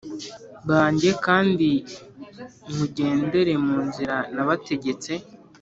banjye kandi mugendere mu nzira nabategetse